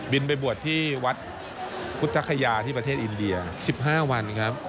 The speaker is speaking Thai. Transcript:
ไปบวชที่วัดพุทธคยาที่ประเทศอินเดีย๑๕วันครับ